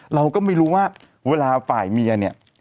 เราก็ไม่รู้ว่าเวลาฝ่ายเมียเนี่ย